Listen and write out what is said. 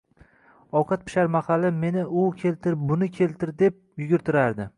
ovqat pishar mahali meni uni keltir, buni keltir deb yugurtirardi.